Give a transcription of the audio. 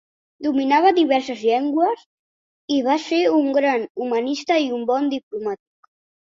Dominava diverses llengües i va ser un gran humanista i un bon diplomàtic.